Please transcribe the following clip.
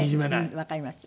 わかりました。